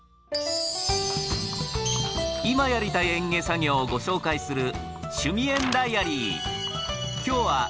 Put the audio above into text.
今やりたい園芸作業をご紹介する「しゅみえんダイアリー」。